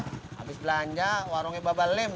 habis belanja warungnya babal lem